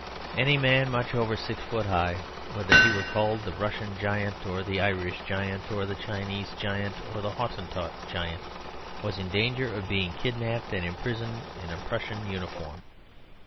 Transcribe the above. Any man much over six foot high, whether he were called the Russian Giant or the Irish Giant or the Chinese Giant or the Hottentot Giant, was in danger of being kidnapped and imprisoned in a Prussian uniform.